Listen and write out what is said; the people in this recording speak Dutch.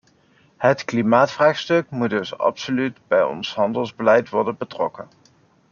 Het klimaatvraagstuk moet dus absoluut bij ons handelsbeleid worden betrokken.